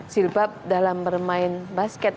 zilbab dalam bermain basket